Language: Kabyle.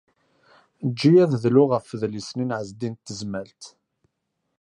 Eǧǧ-iyi ad dluɣ ɣef udlis-nni n Ɛezdin n Tezmalt.